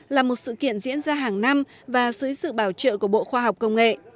là một sự kiện diễn ra hàng năm và dưới sự bảo trợ của bộ khoa học công nghệ